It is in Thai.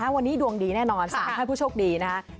วันนี้ดวงดีแน่นอนสามารถให้ผู้โชคดีนะครับ